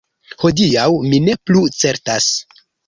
Hodiaŭ mi ne plu certas.